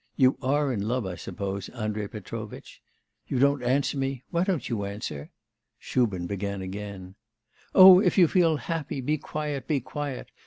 You are in love, I suppose, Andrei Petrovitch?... You don't answer me... why don't you answer?' Shubin began again: 'Oh, if you feel happy, be quiet, be quiet!